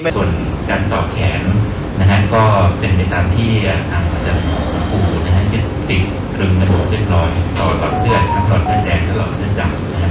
ส่วนการต่อแขนก็เป็นไปตามที่คุณผู้สูงเต็มตึงระบวกเร็วร้อยรอดเลือดรอดแดงรอดแดงดำ